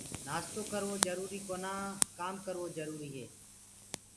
نآستو ڪروو جروُري ڪونآ ڪآم ڪروو جَروُري هي۔